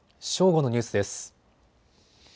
正午のニュースです。